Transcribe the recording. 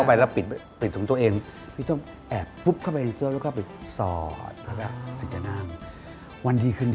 ฟกตากันเลย